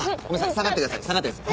下がってください下がってください。